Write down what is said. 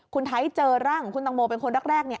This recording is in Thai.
คุณไทยเจอร่างของคุณตังโมเป็นคนแรกเนี่ย